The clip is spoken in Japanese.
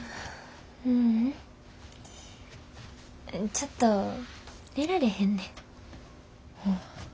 ちょっと寝られへんねん。